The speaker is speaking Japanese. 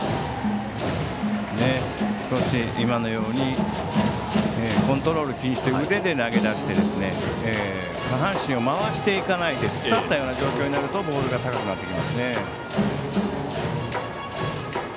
今のようにコントロールを気にして腕で投げ出して下半身を回していかないで突っ立ったような状況になるとボールが高くなりますね。